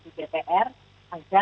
jadi tim pemerintah lewat saja